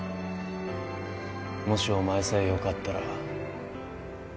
もしお前さえよかったら。